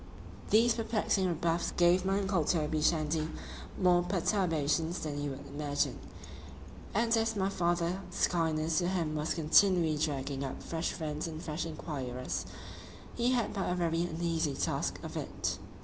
These perplexing rebuffs gave my uncle Toby Shandy more perturbations than you would imagine; and as my father's kindness to him was continually dragging up fresh friends and fresh enquirers,——he had but a very uneasy task of it.